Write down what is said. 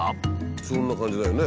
そんな感じだよね。